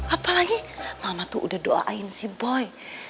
apalagi mama tuh udah doain si boy